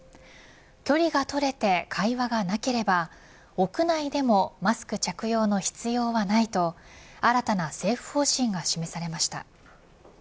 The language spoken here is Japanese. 距離がとれて会話がなければ屋内でもマスク着用の必要はないと新たな政府方針が示されました。